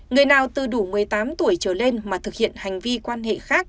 người nào từ đủ một mươi tám tuổi trở lên mà thực hiện hành vi quan hệ khác